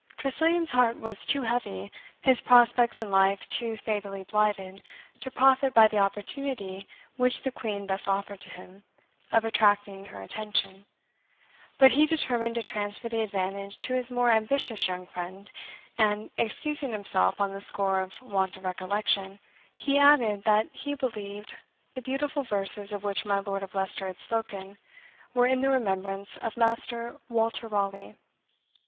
Tressilian's heart was too heavy, his prospects in life too fatally blighted, to profit by the opportunity which the Queen thus offered to him of attracting her attention; but he determined to transfer the advantage to his more ambitious young friend, and excusing himself on the score of want of recollection, he added that he believed the beautiful verses of which my Lord of Leicester had spoken were in the remembrance of Master Walter Raleigh.